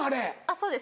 そうです。